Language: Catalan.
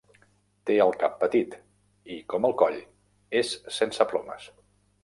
Té el cap petit i, com el coll, és sense plomes.